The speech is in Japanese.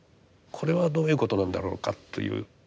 これはどういうことなんだろうかという。